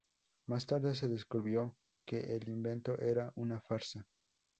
Más tarde se descubrió que el invento era una farsa.